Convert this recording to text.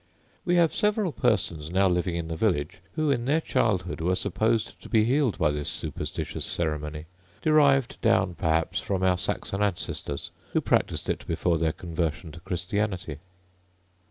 We have several persons now living in the village, who, in their childhood, were supposed to be healed by this superstitious ceremony, derived down perhaps from our Saxon ancestors, who practiced it before their conversion to Christianity.